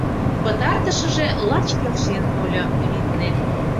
Пытартышыже лач келшен тольо, витне.